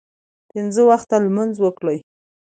پنځه وخته لمونځ وکړئ